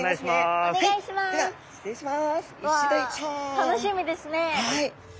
楽しみですね。